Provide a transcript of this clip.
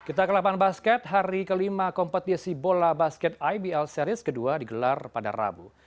kita ke delapan basket hari ke lima kompetisi bola basket ibl series ke dua digelar pada rabu